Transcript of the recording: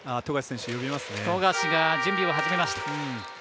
富樫が準備を始めました。